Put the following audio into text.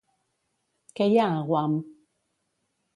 Què hi ha a Guam?